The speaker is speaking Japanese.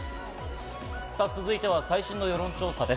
続いては最新の世論調査です。